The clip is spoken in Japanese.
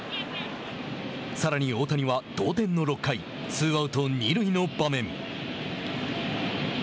さらに大谷は同点の６回ツーアウト、二塁の場面。